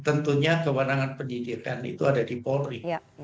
tentunya kewenangan penyidikan itu ada di polri